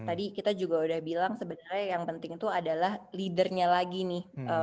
tadi kita juga udah bilang sebenarnya yang penting itu adalah leadernya lagi nih